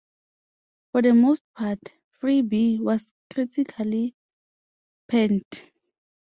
For the most part, "Freebie" was critically panned.